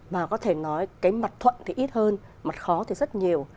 mà có thể nói cái mặt thuận thì ít hơn mặt khó thì rất nhiều